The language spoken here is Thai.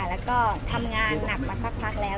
แล้วก็ทำงานหนักมาสักพักแล้ว